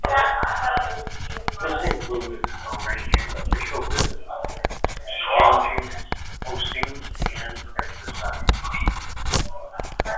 This includes arranging official visits, exchange postings and exercises.